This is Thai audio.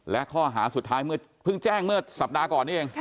และข้อหาสุดท้ายเมื่อเพิ่งแจ้งเมื่อสัปดาห์ก่อนนี้เอง